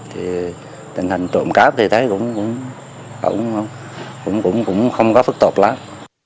thì tình hình trộm cáp thì thấy cũng không có phức tạp lắm